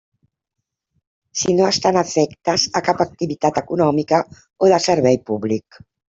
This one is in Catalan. Si no estan afectes a cap activitat econòmica o de servei públic.